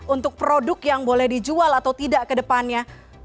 untuk produk yang boleh dijual atau tidak ke depannya